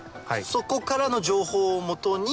そこからの情報を基に。